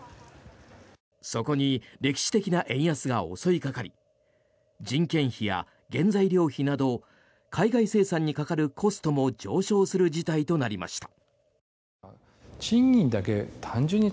そこに歴史的な円安が襲いかかり人件費や原材料費など海外生産にかかるコストも上昇する事態となりました。